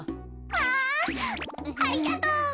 わありがとう。